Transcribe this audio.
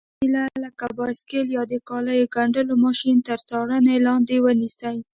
یوه وسیله لکه بایسکل یا د کالیو ګنډلو ماشین تر څارنې لاندې ونیسئ.